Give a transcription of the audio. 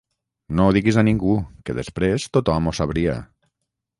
no ho diguis a ningú, que després tothom ho sabria